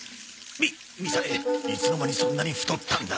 みみさえいつの間にそんなに太ったんだ？